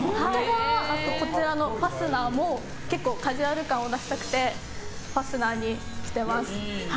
後、こちらのファスナーもカジュアル感を出したくてファスナーにしてます。